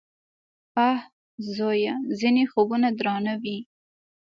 _اه ! زويه! ځينې خوبونه درانه وي.